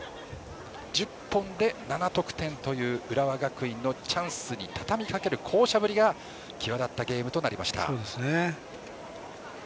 １０本で７得点という浦和学院のチャンスにたたみかける巧者ぶりが際立ったゲームとなりました。